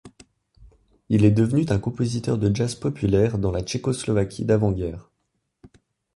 Il est devenu un compositeur de jazz populaire dans la Tchécoslovaquie d'avant-guerre.